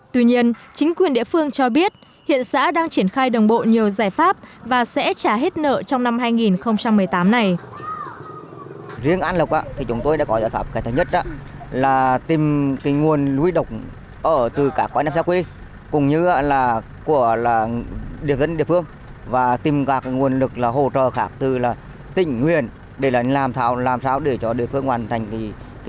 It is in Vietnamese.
tuy nhiên chính quyền địa phương cho biết hiện xã đang triển khai đồng bộ nhiều giải pháp và sẽ trả hết nợ trong năm hai nghìn một mươi tám này